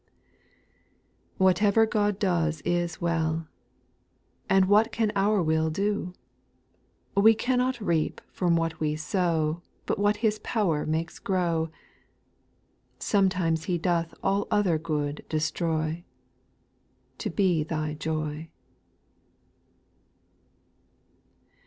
3. Whatever God does is well ! And what can our will do ? We cannot reap from what we sow But what His power makes grow. Sometimes He doth all other good destroy. To be Thy joy.